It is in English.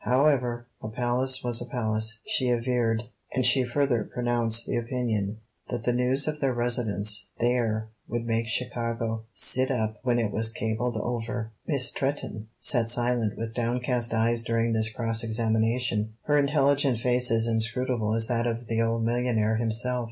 However, a palace was a palace, she averred, and she further pronounced the opinion that the news of their residence there would make Chicago "sit up" when it was cabled over. Miss Stretton sat silent with downcast eyes during this cross examination, her intelligent face as inscrutable as that of the old millionaire himself.